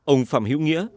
ông phạm hiếu nghĩa